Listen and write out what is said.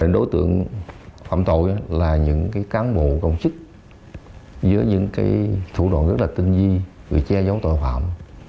đối tượng phạm tội là những cái cán bộ công chức giữa những cái thủ đoạn rất là tinh di bị che giấu tội phạm